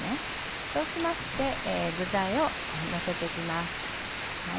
そうしまして具材をのせて行きます。